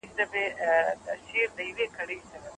ساینس پوهان د کمپیوټر د حافظې په اړه کار کوي.